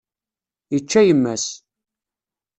Yečča yemma-s.